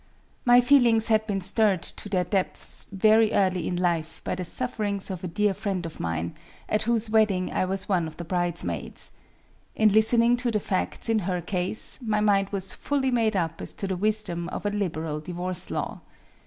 My feelings had been stirred to their depths very early in life by the sufferings of a dear friend of mine, at whose wedding I was one of the bridesmaids. In listening to the facts in her case, my mind was fully made up as to the wisdom of a liberal divorce law.